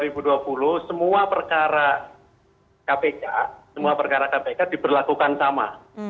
semua perkara kpk semua perkara kpk diberlakukan sama